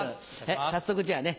早速じゃあね